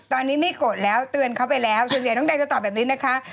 ตอนนี้ไม่โกรธแล้วเตือนเขาไปแล้วส่วนใหญ่น้องแดงจะตอบแบบนี้นะคะ